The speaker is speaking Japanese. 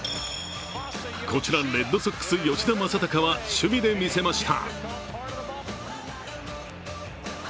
こちらレッドソックス吉田正尚は守備でみせました。